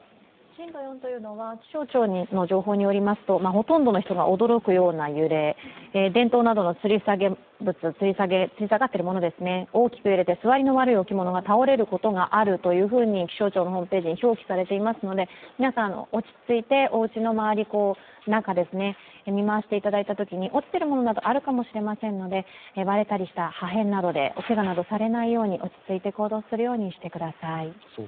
震度４というのは気象庁の情報によりますと、ほとんどの人が驚くような揺れ、電灯などのつり下がっているものが大きく揺れて座りの悪い置物が倒れることがあると気象庁のホームページに表記されていますので皆さん、落ち着いておうちの周り、中を見回していただいて、落ちているものなどがあるかもしれませんので、割れたりした破片などでおけがをしないように、落ち着いて行動するようにしてください。